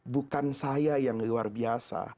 bukan saya yang luar biasa